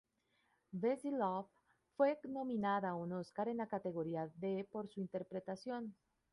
Bessie Love fue nominada a un Óscar en la categoría de por su interpretación.